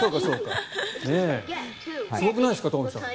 すごくないですか東輝さん。